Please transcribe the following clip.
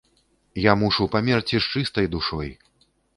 Я мушу памерці з чыстай душой!